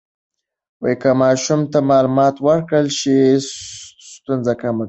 که ماشوم ته معلومات ورکړل شي، ستونزه کمه شي.